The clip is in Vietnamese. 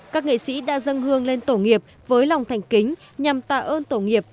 các nghệ sĩ đã dâng hương lên tổ nghiệp với lòng thành kính nhằm tạ ơn tổ nghiệp